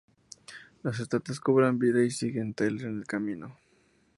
Las estatuas cobran vida y siguen Tyler en el camino.